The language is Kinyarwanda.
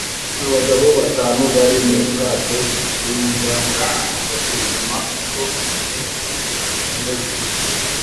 Abagabo batanu bari mu bwato bwinganda basuzuma uko ibintu bimeze